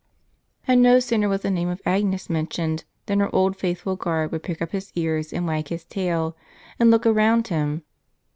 And no sooner was the name of Agnes mentioned, than her old faithful guard would prick up his ears and wag his tail, and look around him.